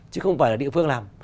chứ không phải là địa phương làm